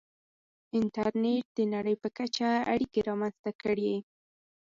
• انټرنېټ د نړۍ په کچه اړیکې رامنځته کړې.